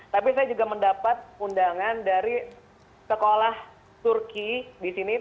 tapi saya juga mendapat undangan dari sekolah turki di sini